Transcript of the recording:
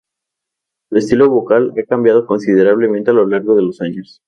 Su estilo vocal ha cambiado considerablemente a lo largo de los años.